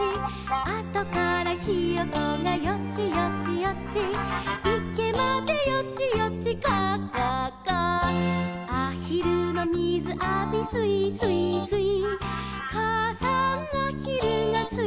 「あとからひよこがよちよちよち」「いけまでよちよちガァガァガァ」「あひるのみずあびすいすいすい」「かあさんあひるがすいすいすい」